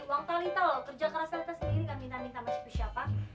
uang talita lho kerja keras talita sendiri kan minta minta masih pisah apa